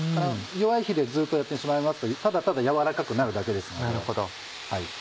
弱い火でずっとやってしまいますとただただ軟らかくなるだけですので。